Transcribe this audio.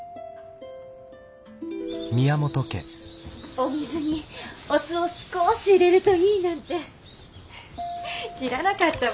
お水にお酢を少し入れるといいなんて知らなかったわ。